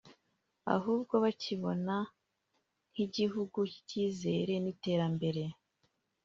ahubwo bakibona nk’igihugu cy’icyizere n’iterambere